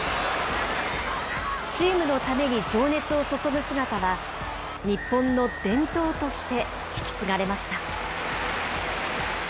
チームのために情熱を注ぐ姿は、日本の伝統として引き継がれました。